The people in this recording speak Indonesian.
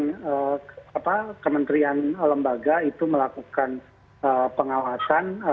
dari masing masing kementerian lembaga itu melakukan pengawasan